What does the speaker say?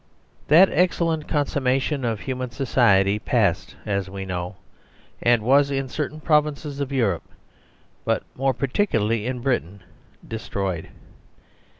That excellent consummation of human society passed, as we know, and was in certain Provinces of Europe, but more particularly in Britain, destroyed.